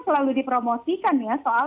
selalu dipromosikan ya soal